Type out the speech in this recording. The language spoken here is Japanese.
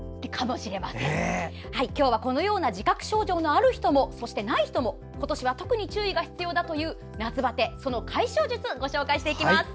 今日はこのような自覚症状がある人も、ない人も今年は特に注意が必要だという夏バテの解消術をご紹介していきます。